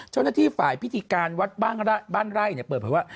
เจ้าหน้าที่ฝ่ายพิธีการวัดบ้านไร่เปิดเผยว่า